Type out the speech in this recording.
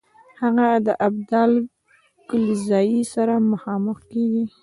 هغه د ابدال کلزايي سره مخامخ کیږي.